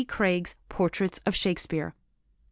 Craig's Portraits of Shakespeare.